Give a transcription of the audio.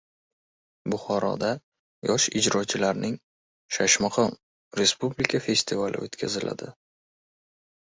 Buxoroda Yosh ijrochilarning “Shashmaqom” respublika festivali o‘tkaziladi